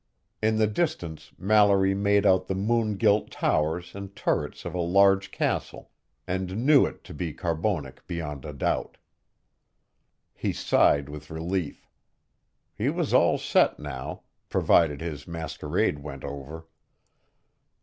In the distance Mallory made out the moon gilt towers and turrets of a large castle, and knew it to be Carbonek beyond a doubt. He sighed with relief. He was all set now provided his masquerade went over.